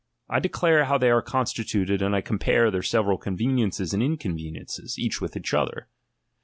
I declare how they are constitxited, and I compare their several conveniences and inconveniences, each with other.